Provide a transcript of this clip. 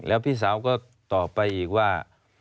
แล้วพี่สาวก็ตอบไปอีกว่า